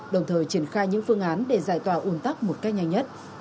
đồng thời triển khai những phương án để giải tỏa un tắc một cách nhanh nhất